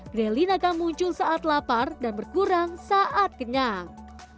grailin akan muncul saat lapar dan berkurang saat kenyang